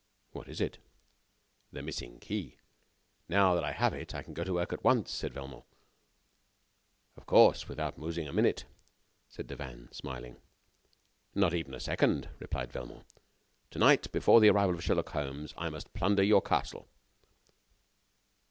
"What is it?" "The missing key. Now that I have it, I can go to work at once," said Velmont. "Of course; without losing a minute," said Devanne, smiling. "Not even a second!" replied Velmont. "To night, before the arrival of Sherlock Holmes, I must plunder your castle."